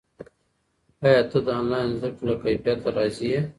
ایا ته د آنلاین زده کړې له کیفیت راضي یې؟